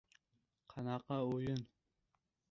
— U nima? — deya surishtirdi.